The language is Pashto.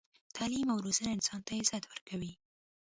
تعلیم او روزنه انسان ته عزت ورکوي.